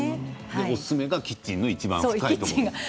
おすすめがキッチンのいちばん深いところ。